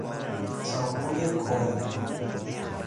چاقوی کند